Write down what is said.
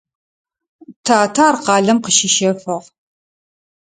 Татэ ар къалэм къыщищэфыгъ.